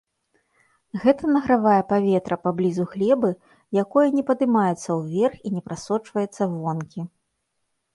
Гэта награвае паветра паблізу глебы, якое не падымаецца ўверх і не прасочваецца вонкі.